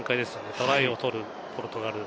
トライを取るポルトガル。